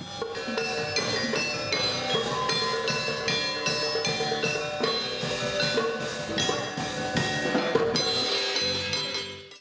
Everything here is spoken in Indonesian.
sampai jumpa di video selanjutnya